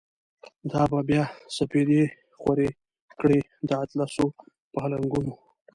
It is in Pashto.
دا به بیا سپیدی خوری کړی، داطلسو پالنګونو